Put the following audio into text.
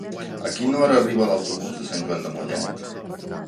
A quina hora arriba l'autobús de Sant Joan de Mollet?